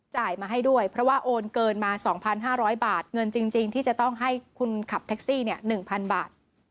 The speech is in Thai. มาให้ด้วยเพราะว่าโอนเกินมา๒๕๐๐บาทเงินจริงที่จะต้องให้คุณขับแท็กซี่๑๐๐๐บาท